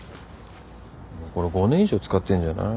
もうこれ５年以上使ってんじゃない？